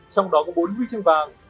trong đó có bốn huy chương vàng